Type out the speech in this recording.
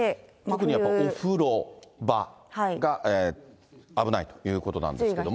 特にやっぱお風呂場が危ないということなんですけれども。